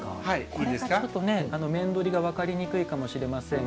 これがちょっとね面取りが分かりにくいかもしれませんが。